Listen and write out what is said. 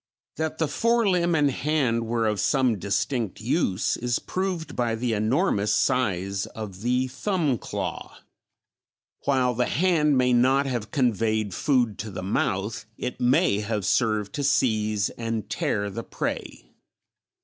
That the fore limb and hand were of some distinct use is proved by the enormous size of the thumb claw; while the hand may not have conveyed food to the mouth, it may have served to seize and tear the prey.